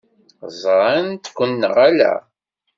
Ẓṛant-ken neɣ ala?